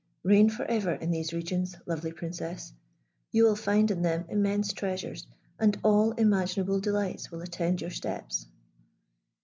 Reign for ever in these regions, lovely Princess; you will find in them immense treasures, and all imaginable delights will attend your steps."